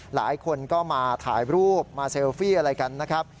หลายคนก็มาถ่ายรูปมาเซลฟี่อะไรกันนะครับ